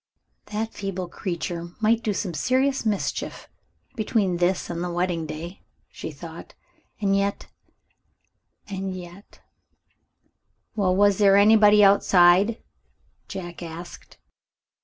"That feeble little creature might do some serious mischief, between this and the wedding day," she thought; "and yet and yet " "Well, was there anybody outside?" Jack asked.